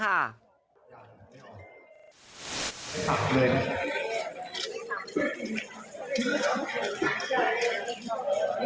หัวใหญ่๗